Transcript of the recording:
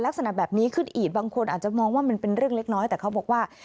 ลักษณะแบบนี้ขึ้นอีกบางคนอาจจะมองว่ามันเป็นเรื่องเล็กน้อยแต่เขาบอกว่า